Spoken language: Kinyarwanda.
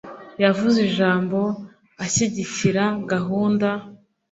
Yavuze ijambo ashyigikira gahunda.